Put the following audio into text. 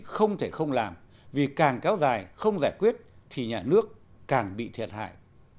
không thể không làm vì càng kéo dài không giải quyết thì nhà nước càng bị thiệt hại